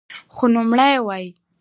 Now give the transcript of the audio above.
خو نوموړی وايي